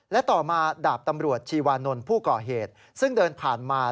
และต่อมาดาบตำรวจชีวานนท์ผู้ก่อเหตุซึ่งเดินผ่านมา